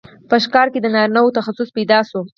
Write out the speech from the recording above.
په ښکار کې د نارینه وو تخصص پیدا شو.